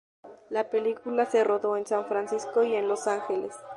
La película se rodó en San Francisco y en Los Ángeles.